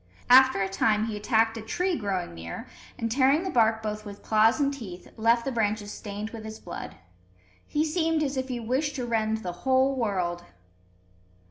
After a time he attacked a tree growing near, and, tearing the bark both with claws and teeth, left the branches stained with his blood. He seemed as if he wished to rend the whole world!